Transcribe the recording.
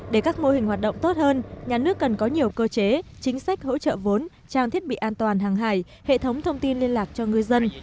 để các mô hình hoạt động tốt hơn nhà nước cần có nhiều cơ chế chính sách hỗ trợ vốn trang thiết bị an toàn hàng hải hệ thống thông tin liên lạc cho ngư dân